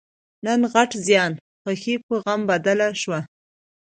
نن غټ زیان؛ خوښي په غم بدله شوه.